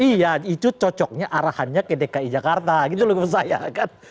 iya itu cocoknya arahannya ke dki jakarta gitu loh saya kan